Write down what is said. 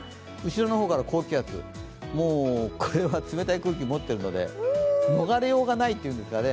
後ろの方から高気圧、もうこれは冷たい空気もってるので、逃れようがないというんですかね。